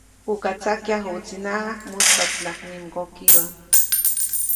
Uka tsakyajuʼtsinaʼajk, mujspaʼtsinaʼajk mi mgokibä.